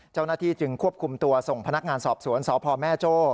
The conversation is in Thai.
เจ้าหน้าที่จึงควบคุมตัวส่งพนักงานสอบสวนสพแม่โจ้